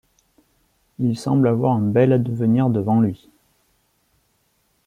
Il semble avoir un bel avenir devant lui.